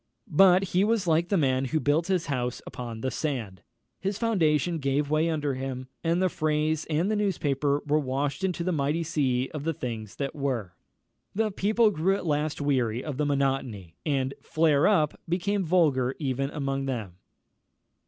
But he was like the man who built his house upon the sand; his foundation gave way under him, and the phrase and the newspaper were washed into the mighty sea of the things that were. The people grew at last weary of the monotony, and "flare up" became vulgar even among them.